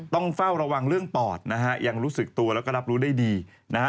ต้องเฝ้าระวังเรื่องปอดนะฮะยังรู้สึกตัวแล้วก็รับรู้ได้ดีนะฮะ